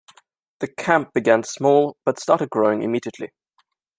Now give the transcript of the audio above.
The camp began small, but started growing immediately.